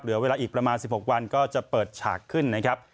เหลือเวลาอีกประมาณ๑๖วันก็จะเปิดฉากขึ้นนะครับ